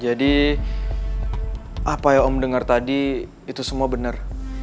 jadi apa yang om denger tadi itu semua bener